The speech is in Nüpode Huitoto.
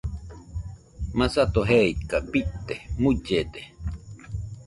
Masato jeika bite mullede.